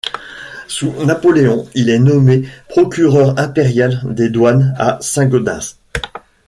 Sous Napoléon, il est nommé procureur impérial des douanes à Saint-Gaudens.